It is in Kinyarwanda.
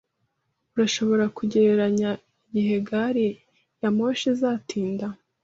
Urashobora kugereranya igihe gari ya moshi izatinda?